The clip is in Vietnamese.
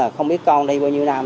không biết con đây bao nhiêu năm